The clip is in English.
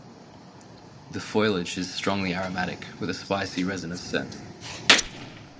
The foliage is strongly aromatic, with a spicy-resinous scent.